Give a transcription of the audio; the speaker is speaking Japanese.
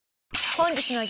本日の激